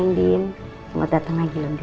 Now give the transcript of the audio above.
mungkin mau datang lagi nanti